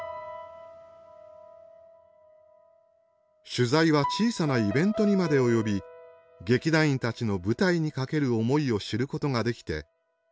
取材は小さなイベントにまで及び劇団員たちの舞台にかける思いを知ることができてたまらないといいます。